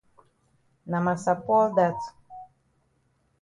Na massa Paul dat.